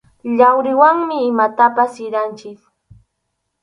Yawriwanmi imatapas siranchik.